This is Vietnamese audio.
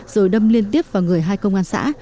rồi đâm liên tiếp vào người hai công an xã